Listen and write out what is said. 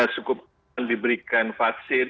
cukup diberikan vaksin